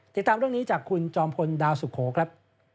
ติดตามเรื่องนี้จากคุณจอมพลดาวสุโขครับ